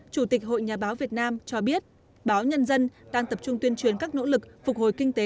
chủ tịch hội nhà báo việt nam cho biết báo nhân dân đang tập trung tuyên truyền các nỗ lực phục hồi kinh tế